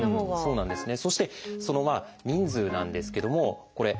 そうなんですよね。